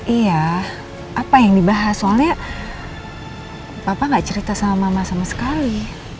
iya apa yang dibahas soalnya papa gak cerita sama mama sama sekali